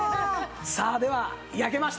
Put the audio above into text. さあでは焼けました。